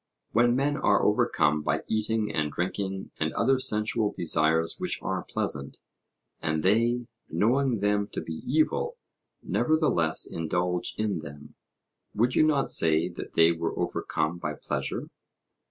When men are overcome by eating and drinking and other sensual desires which are pleasant, and they, knowing them to be evil, nevertheless indulge in them, would you not say that they were overcome by pleasure?